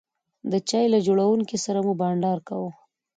د چای له جوړونکي سره مو بانډار کاوه.